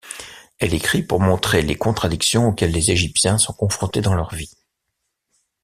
Elle écrit pour montrer les contradictions auxquelles les Égyptiens sont confrontés dans leur vie.